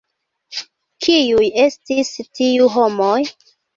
Kiuj estis tiu homoj?